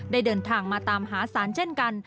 เดินทางมาตามหาสารเช่นกัน